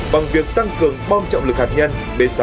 bằng việc tăng cường bom trọng lực hạt nhân b sáu mươi một một mươi hai